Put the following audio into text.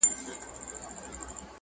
شور نه مې لاس وانخیست